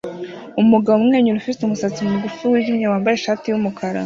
Umugabo umwenyura ufite umusatsi mugufi wijimye wambaye ishati yumukara